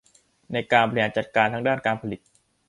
ในการบริหารจัดการทั้งด้านการผลิต